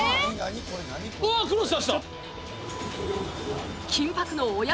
うわクロスさした！